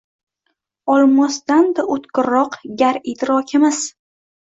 Olmosdan-da oʼtkirroq gar idrokimiz